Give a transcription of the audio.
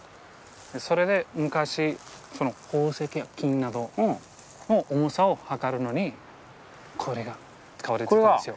それで昔宝石や金などの重さを量るのにこれが使われてたんですよ。